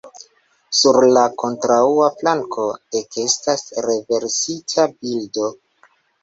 Sur la kontraŭa flanko ekestas renversita bildo.